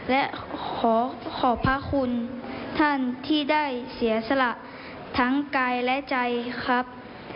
และขอขอบพระคุณท่านที่ได้เสียสละทั้งกายและใจครับ